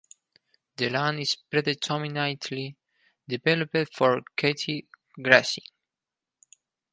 The land is predominantly developed for cattle grazing.